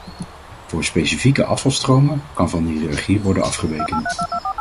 Voor specifieke afvalstromen kan van de hiërarchie worden afgeweken.